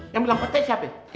yang bilang petek siapa ya